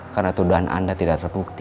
karena tuduhan anda tidak terbukti